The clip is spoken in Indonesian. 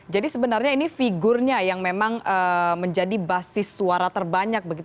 jadi sebenarnya ini figurnya yang memang menjadi basis suara terbanyak